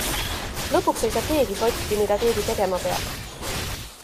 Lõpuks ei saa keegi sotti, mida keegi tegema peab.